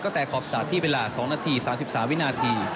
แต่ขอบสระที่เวลา๒นาที๓๓วินาที